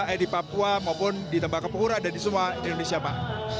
baik di papua maupun di tembakapura dan di semua indonesia pak